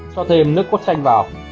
cho thêm nước cốt chanh vào